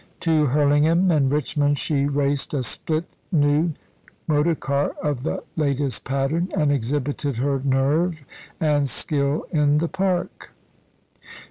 To Hurlingham and Richmond she raced a split new motor car of the latest pattern, and exhibited her nerve and skill in the Park.